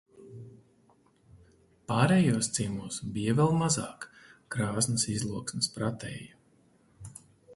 Pārējos ciemos bija vēl mazāk Krāsnas izloksnes pratēju.